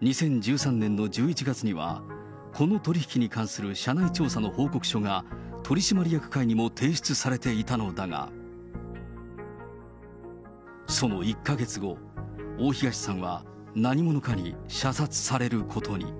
２０１３年の１１月には、この取り引きに関する社内調査の報告書が、取締役会にも提出されていたのだが、その１か月後、大東さんは何者かに射殺されることに。